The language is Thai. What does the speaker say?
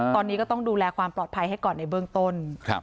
ตอนนี้ก็ต้องดูแลความปลอดภัยให้ก่อนในเบื้องต้น